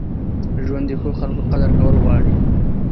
ژوند د ښو خلکو قدر کول غواړي.